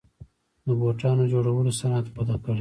د بوټانو جوړولو صنعت وده کړې